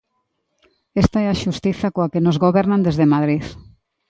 Esta é a xustiza coa que nos gobernan desde Madrid.